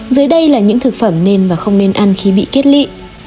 dưới đây là những thực phẩm nên và không nên ăn khi bị kết lị